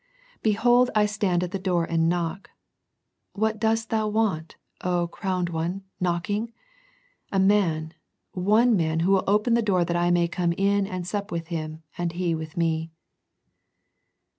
" Behold, I stand at the door and knock." What dost thou want, oh, crowned One, knocking ? A man, one man who will open that I may come in and sup with him, and he with Me.